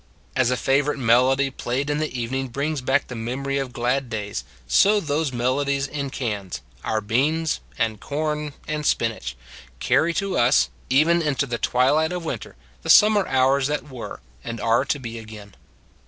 As a favorite melody played in the eve ning brings back the memory of glad days, so those melodies in cans our beans and corn and spinach carry to us, even into the twilight of winter, the summer hours that were, and are to be again.